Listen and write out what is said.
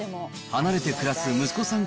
離れて暮らす息子さん